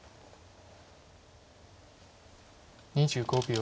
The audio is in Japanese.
２５秒。